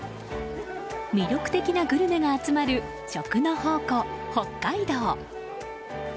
魅力的なグルメが集まる食の宝庫、北海道。